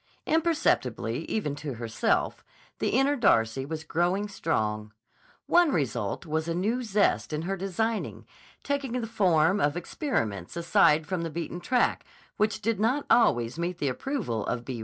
Imperceptibly even to herself, the inner Darcy was growing strong. One result was a new zest in her designing, taking the form of experiments aside from the beaten track which did not always meet the approval of B.